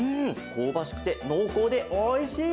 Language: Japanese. こうばしくてのうこうでおいしい！